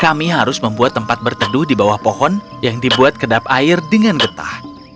kami harus membuat tempat berteduh di bawah pohon yang dibuat kedap air dengan getah